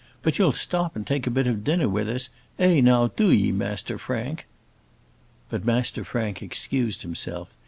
But you'll stop and take a bit of dinner with us? Eh, now do 'ee, Master Frank." But Master Frank excused himself.